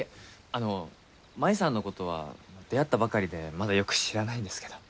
あの真夢さんの事は出会ったばかりでまだよく知らないんですけど。